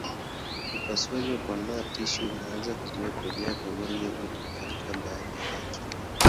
Upasuaji wa kuondoa tishu unaweza kuzuia kurejea kwa ugonjwa huu katika baadhi ya watu.